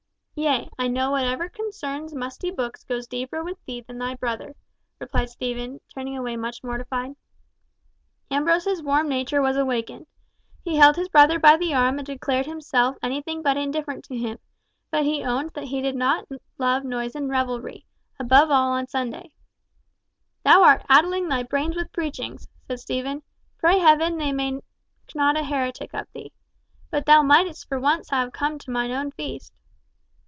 "Yea, I know whatever concerns musty books goes deeper with thee than thy brother," replied Stephen, turning away much mortified. Ambrose's warm nature was awakened. He held his brother by the arm and declared himself anything but indifferent to him, but he owned that he did not love noise and revelry, above all on Sunday. "Thou art addling thy brains with preachings!" said Stephen. "Pray Heaven they make not a heretic of thee. But thou mightest for once have come to mine own feast."